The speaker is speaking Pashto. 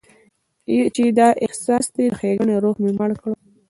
چې دا احساس دې د ښېګڼې روح مړ کړي.